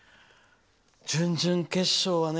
準々決勝はね